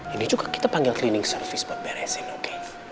ini juga kita panggil cleaning service buat brsm oke